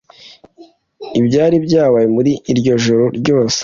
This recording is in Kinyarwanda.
Ibyari byabaye muri iryo joro byose